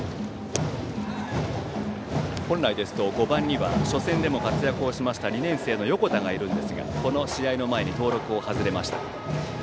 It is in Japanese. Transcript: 本来ですと５番には初戦でも活躍しました２年生の横田がいるんですがこの試合の前に登録を外れました。